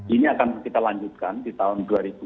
ini akan kita lanjutkan di tahun dua ribu dua puluh